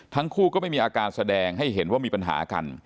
ทั้งคู่ก็ไม่มีอาการแสดงให้เห็นว่ามีปัญหากัน